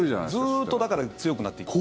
ずっと、だから強くなっていく。